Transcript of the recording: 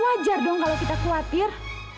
wajar dong kalau kita khawatir